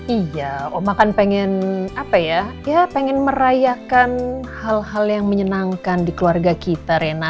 iya oma kan pengen merayakan hal hal yang menyenangkan di keluarga kita rena